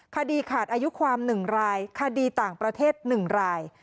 คดีขาดอายุความ๑รายคดีต่างประเทศ๑ราย